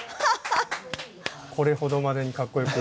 これほどまでにかっこよく。